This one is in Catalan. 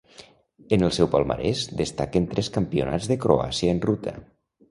En el seu palmarès destaquen tres Campionats de Croàcia en ruta.